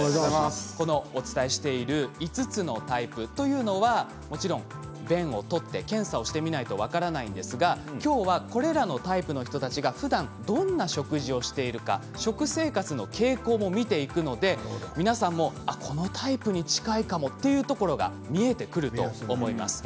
このお伝えしている５つのタイプというのはもちろん便を採って検査をしてみないと分からないんですが今日はこれらのタイプの人たちがふだんどんな食事をしているか食生活の傾向も見ていくので皆さんもあっこのタイプに近いかもっていうところが見えてくると思います。